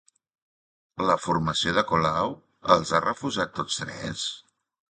La formació de Colau els ha refusat tots tres?